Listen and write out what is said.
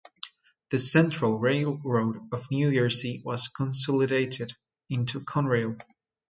The Central Railroad of New Jersey was consolidated into Conrail.